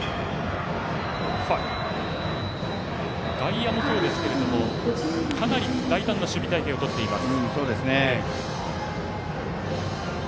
外野もそうですがかなり大胆な守備隊形をとっています。